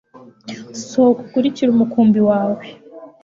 sohoka ukurikire umukumbi wawe